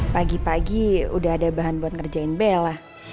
pagi pagi udah ada bahan buat ngerjain bella